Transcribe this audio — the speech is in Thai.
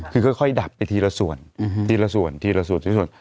คือค่อยดับไปทีละส่วนทีละส่วนทีละส่วนทีละส่วน